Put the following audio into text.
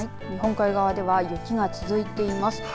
日本海側では雪が続いています。